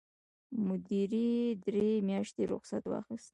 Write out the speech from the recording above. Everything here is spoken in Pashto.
مدیرې درې میاشتې رخصت واخیست.